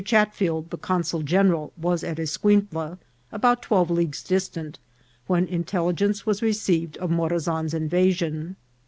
Chatfield, the consul general, was at Escuintla, about twelve leagues distant, when intelligence was received of Morazan's invasion.